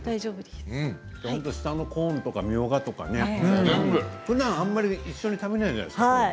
下のコーンとみょうがとかねふだん、あまり一緒に食べないじゃないですか。